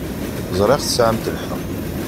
Ẓṛiɣ tesɛamt lḥeq.